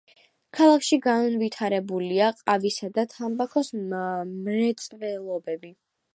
ქალაქში განვითარებულია ყავისა და თამბაქოს მრეწველობები.